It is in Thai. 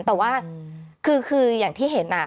แต่ว่าคืออย่างที่เห็น